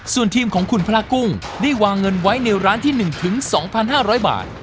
ส่วนทีมของคุณพระกุ้งได้วางเงินไว้ในร้านที่หนึ่งถึงสองพันห้าร้อยบาท